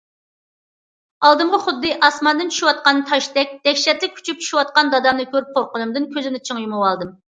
ئالدىمغا خۇددى ئاسماندىن چۈشۈۋاتقان تاشتەك دەھشەتلىك ئۇچۇپ چۈشۈۋاتقان دادامنى كۆرۈپ قورققىنىمدىن كۆزۈمنى چىڭ يۇمۇۋالدىم...